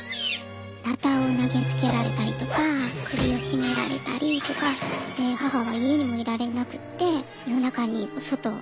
なたを投げつけられたりとか首を絞められたりとか母は家にもいられなくって夜中に外に逃げ出すみたいな。